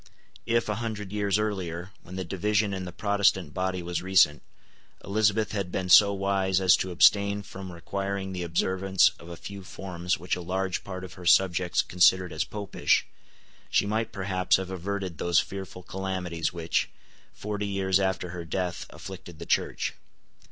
If, a hundred years earlier, when the division in the Protestant body was recent, Elizabeth had been so wise as to abstain from requiring the observance of a few forms which a large part of her subjects considered as Popish, she might perhaps have averted those fearful calamities which, forty years after her death, afflicted the Church.